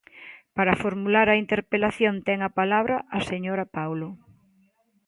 Para formular a interpelación ten a palabra a señora Paulo.